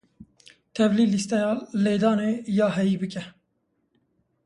Tevlî lîsteya lêdanê ya heyî bike.